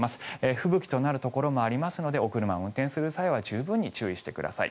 吹雪となるところもありますのでお車を運転する際は十分に注意してください。